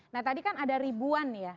nah tadi kan ada ribuan ya